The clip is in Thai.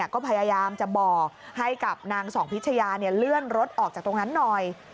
ก็พยายามจะบอกให้กับนางส่องพิชยาเลื่อนรถออกจากตรงนั้นหน่อย